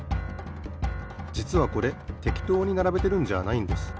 じつはこれてきとうにならべてるんじゃないんです。